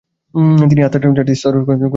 তিনি আত্মার চারটি স্তরের কথা বলেছেন।